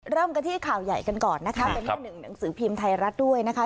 เริ่มกันที่ข่าวใหญ่กันก่อนนะคะเป็นหน้าหนึ่งหนังสือพิมพ์ไทยรัฐด้วยนะคะ